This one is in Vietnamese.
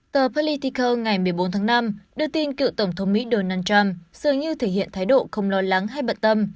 tờ pleitiker ngày một mươi bốn tháng năm đưa tin cựu tổng thống mỹ donald trump dường như thể hiện thái độ không lo lắng hay bận tâm